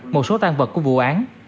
một số tan vật của vụ án